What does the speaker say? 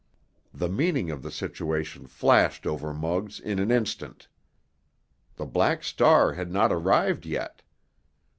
The meaning of the situation flashed over Muggs in an instant. The Black Star had not arrived yet.